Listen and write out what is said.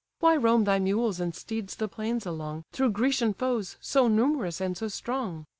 Why roam thy mules and steeds the plains along, Through Grecian foes, so numerous and so strong?